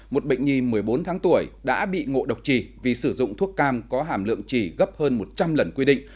một bệnh nhi một mươi bốn tháng tuổi đã bị ngộ độc trì vì sử dụng thuốc cam có hàm lượng trì gấp hơn một trăm linh lần quy định